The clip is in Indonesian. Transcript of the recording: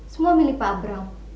semua milik pak abram